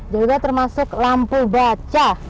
juga termasuk lampu baca